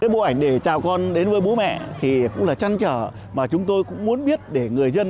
bộ ảnh để chào con đến với bố mẹ thì cũng là chăn trở mà chúng tôi cũng muốn biết để người dân